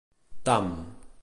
Tamb